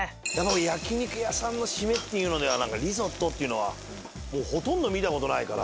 焼肉屋さんのシメっていうのではリゾットっていうのはもうほとんど見たことないから。